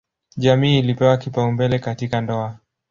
Jamii ilipewa kipaumbele katika ndoa.